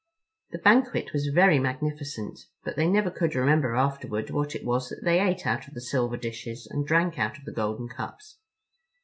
The banquet was very magnificent, but they never could remember afterward what it was that they ate out of the silver dishes and drank out of the golden cups.